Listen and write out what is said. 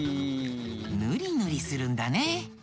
ぬりぬりするんだね。